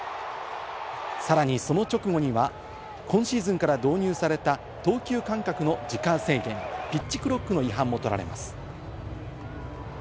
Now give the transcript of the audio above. さらに、その直後には今シーズンから導入された投球間隔の時間制限、ピッチクロックの違反も取られます。